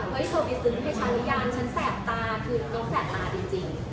เฮ้ยโซฟิสซึงให้ฉันพยายามฉันแสบตาคือน้องแสบตาจริง